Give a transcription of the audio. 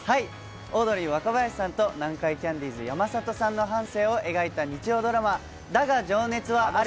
オードリー・若林さんと南海キャンディーズ・山里さんの半生を描いた日曜ドラマ、だが、情熱はある。